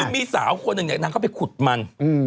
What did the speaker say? คือมีสาวคนหนึ่งเนี่ยนางเข้าไปขุดมัน